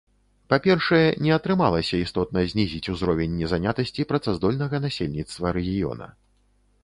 Па-першае, не атрымалася істотна знізіць узровень незанятасці працаздольнага насельніцтва рэгіёна.